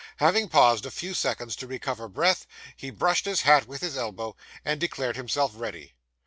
Having paused a few seconds to recover breath, he brushed his hat with his elbow, and declared himself ready.